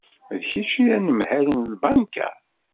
D kečč i d anemhal n lbanka?